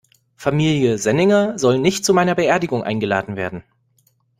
Familie Senninger soll nicht zu meiner Beerdigung eingeladen werden.